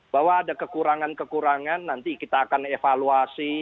bahwa ada kekurangan kekurangan nanti kita akan evaluasi